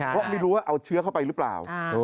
เพราะไม่รู้ว่าเอาเชื้อเข้าไปหรือเปล่า